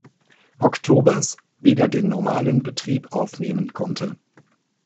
Oktobers wieder den normalen Betrieb aufnehmen konnte.